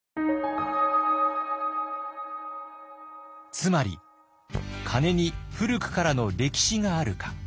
つまり鐘に古くからの歴史があるか。